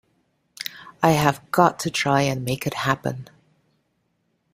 I have got to try and make it happen.